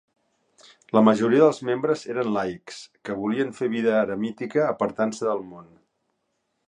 La majoria dels membres eren laics, que volien fer vida eremítica apartant-se del món.